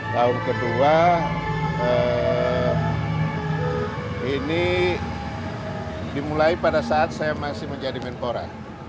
tahun kedua ini dimulai pada saat saya masih menjadi menpora